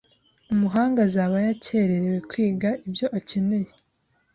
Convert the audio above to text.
umuhanga azaba yakererewe kwiga ibyo akeneye.